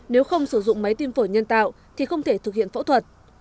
nếu không sử dụng máy tim phổi nhân tạo thì không thể thực hiện phẫu thuật